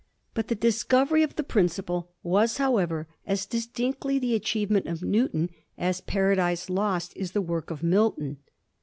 But the discovery of the principle was, however, as distinctly the achievement of Newton as * Paradise Lost ' is the work of Milton.